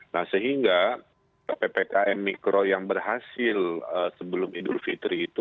nah sehingga ppkm mikro yang berhasil sebelum idul fitri itu